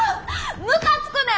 ムカつくねん